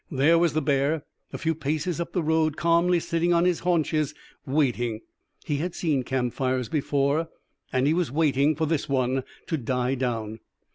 There was the bear, a few paces up the road, calmly sitting on his haunches, waiting. He had seen camp fires before, and he was waiting for this one to die down.